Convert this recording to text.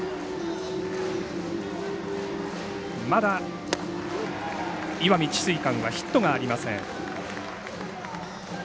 まだ石見智翠館はヒットがありません。